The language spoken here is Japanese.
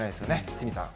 鷲見さん。